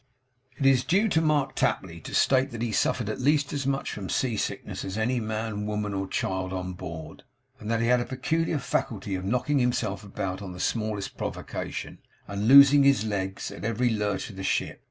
It is due to Mark Tapley to state that he suffered at least as much from sea sickness as any man, woman, or child, on board; and that he had a peculiar faculty of knocking himself about on the smallest provocation, and losing his legs at every lurch of the ship.